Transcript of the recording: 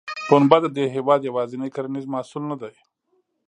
پنبه د دې هېواد یوازینی کرنیز محصول نه دی.